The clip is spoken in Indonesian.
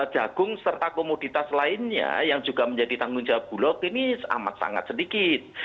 jagung serta komoditas lainnya yang juga menjadi tanggung jawab bulog ini amat sangat sedikit